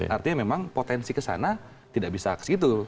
artinya memang potensi kesana tidak bisa saksi itu